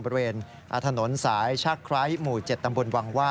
บริเวณอาถนนสายชาคคล้ายหมู่๗ตำบลวังว่า